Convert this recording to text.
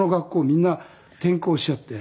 みんな転校しちゃって。